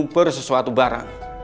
mengubur sesuatu barang